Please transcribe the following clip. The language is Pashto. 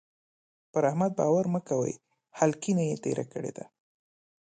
پر احمد باور مه کوئ؛ هلکينه يې تېره کړې ده.